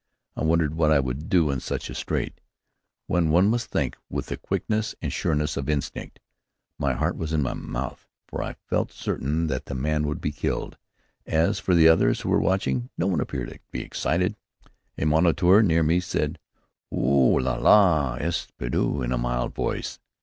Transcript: I wondered what I would do in such a strait, when one must think with the quickness and sureness of instinct. My heart was in my mouth, for I felt certain that the man would be killed. As for the others who were watching, no one appeared to be excited. A moniteur near me said, "Oh, là là! Il est perdu!" in a mild voice.